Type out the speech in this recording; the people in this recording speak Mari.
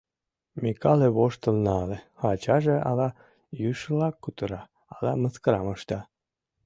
Микале воштыл нале: ачаже ала йӱшыла кутыра, ала мыскарам ышта.